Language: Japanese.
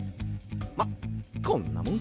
まっこんなもんかな。